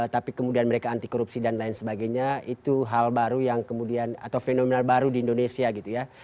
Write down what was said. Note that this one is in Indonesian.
tapi kemudian mereka anti korupsi dan lain sebagainya itu hal baru yang kemudian atau fenomenal baru di indonesia gitu ya